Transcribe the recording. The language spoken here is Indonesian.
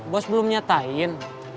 boss belum nyatain